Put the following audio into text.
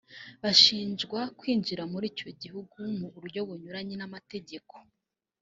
bashinjwa kwinjira muri icyo gihugu mu buryo bunyuranye n’amategeko